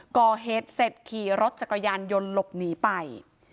ก่อเหตุเสร็จขี่รถจักรยานยนต์หลบหนีไป